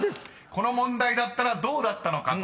［この問題だったらどうだったのかと］